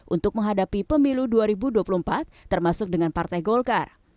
untuk menghadapi pemilu dua ribu dua puluh empat termasuk dengan partai golkar